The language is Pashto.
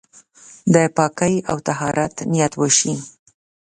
د پاکۍ او طهارت نيت وشي.